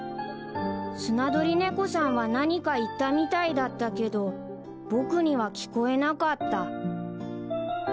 スナドリネコさんは何か言ったみたいだったけど僕には聞こえなかった